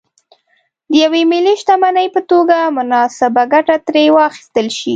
د یوې ملي شتمنۍ په توګه مناسبه ګټه ترې واخیستل شي.